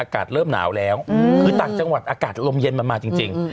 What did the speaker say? อากาศเริ่มหนาวแล้วคือต่างจังหวัดอากาศลมเย็นมันมาจริง